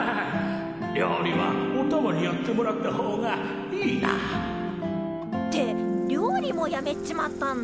料理はおたまにやってもらった方がいいな。って料理もやめっちまったんだ。